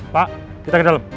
pak kita ke dalam